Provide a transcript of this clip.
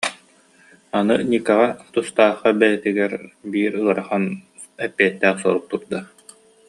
Аны Никаҕа, тустаахха бэйэтигэр биир ыарахан, эппиэттээх сорук турда